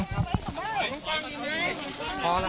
และมีความหวาดกลัวออกมา